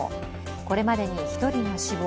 これまでに１人が死亡。